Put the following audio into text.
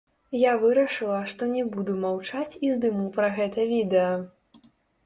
Я вырашыла што не буду маўчаць і здыму пра гэта відэа.